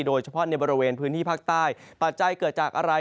โดยเฉพาะในบริเวณพื้นที่ภาคใต้ปัจจัยเกิดจากอะไร